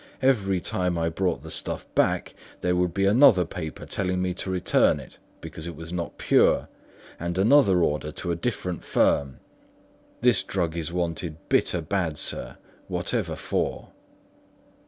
Every time I brought the stuff back, there would be another paper telling me to return it, because it was not pure, and another order to a different firm. This drug is wanted bitter bad, sir, whatever for."